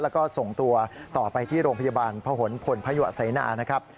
แล้วก็ส่งตัวต่อไปที่โรงพยาบาลพผลพศนะครับ